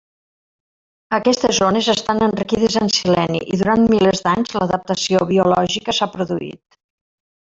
Aquestes zones estan enriquides en seleni i durant milers d'anys, l'adaptació biològica s'ha produït.